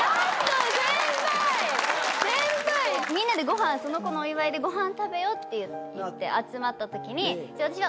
みんなでその子のお祝いでご飯食べようっていって集まったときに私が。